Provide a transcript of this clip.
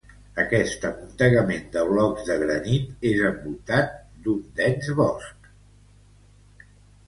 Aquest amuntegament de blocs de granit és envoltat d'un dens bosc.